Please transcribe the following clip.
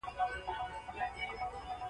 شېرمحمد پښو ته زور ورکړ.